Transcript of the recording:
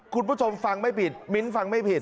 คุณผู้ชมฟังไม่ผิดมิ้นฟังไม่ผิด